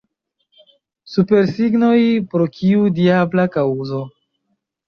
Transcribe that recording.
Supersignoj, pro kiu diabla kaŭzo?